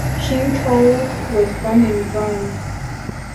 Kinkel was born in Bonn.